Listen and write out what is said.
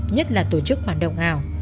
nhất là tổ chức phản động ảo